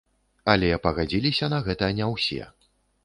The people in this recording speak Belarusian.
Але пагадзіліся на гэта не ўсе.